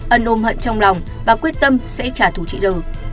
ân ôm hận trong lòng và quyết tâm sẽ trả thù chị đu